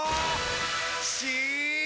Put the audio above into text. し！